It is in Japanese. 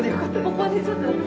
ここでちょっと。